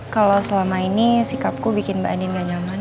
kalau selama ini sikapku bikin mbak anin gak nyaman